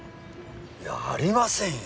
いやありませんよ！